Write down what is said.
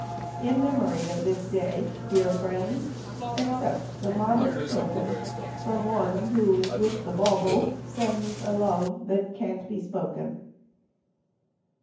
In memory of this Day, dear friends, Accept the modest token From one who with the bauble sends A love that can't be spoken.